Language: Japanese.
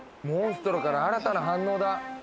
モンストロから新たな反応だ！